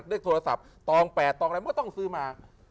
เลขโทรศัพท์ตอง๘ตองอะไรเมื่อต้องซื้อมา